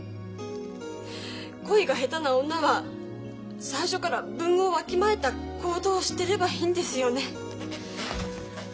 恋が下手な女は最初から分をわきまえた行動をしてればいいんですよね。